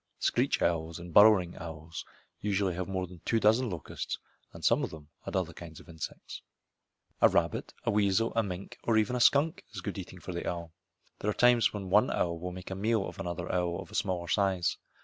Screech owls and burrowing owls usually had more than two dozen locusts, and some of them had other kinds of insects. A rabbit, a weasel, a mink, or even a skunk is good eating for the owl. And there are times when one owl will make a meal of another owl of smaller size.